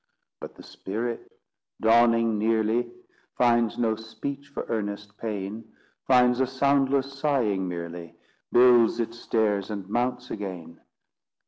But the spirit, dawning nearly Finds no speech for earnest pain; Finds a soundless sighing merely— Builds its stairs, and mounts again.